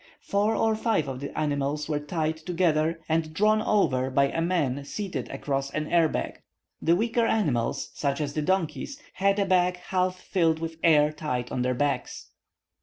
Four or five of the animals were tied together and drawn over by a man seated across an air bag. The weaker animals, such as the donkeys, had a bag half filled with air tied on their backs.